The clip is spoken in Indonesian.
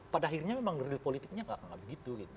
pada akhirnya memang real politiknya gak akan begitu gitu